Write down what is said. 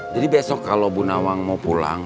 jadi besok kalau bu nawang mau pulang